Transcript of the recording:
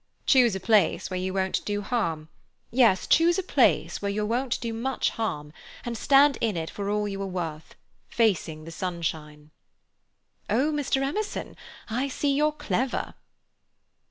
Choose a place where you won't do harm—yes, choose a place where you won't do very much harm, and stand in it for all you are worth, facing the sunshine." "Oh, Mr. Emerson, I see you're clever!"